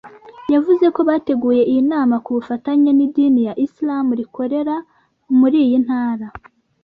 yavuze ko bateguye iyi nama ku bufatanye n’idini ya Islam rikorera muri iyi Ntara